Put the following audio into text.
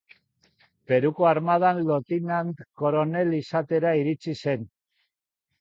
Peruko armadan lotinant koronel izatera iritsi zen.